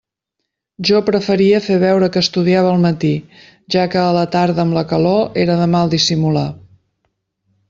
Jo preferia fer veure que estudiava al matí, ja que a la tarda amb la calor, era de mal dissimular.